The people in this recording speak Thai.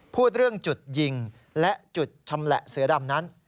พูดเรื่องจุดยิงและจุดชำแหละเสือดำนั้น